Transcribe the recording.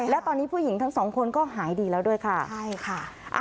และตอนนี้ผู้หญิงทั้ง๒คนก็หายดีแล้วด้วยค่ะ